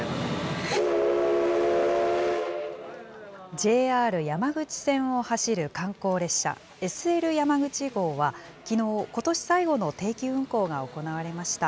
ＪＲ山口線を走る観光列車、ＳＬやまぐち号は、きのう、ことし最後の定期運行が行われました。